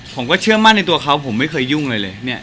ผมก็เชื่อมั่นในตัวเขาผมไม่เคยยุ่งเลยเลยเนี่ย